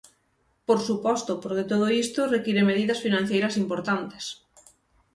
Por suposto, porque todo isto require medidas financeiras importantes.